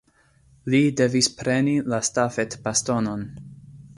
Li devis preni la stafetbastonon.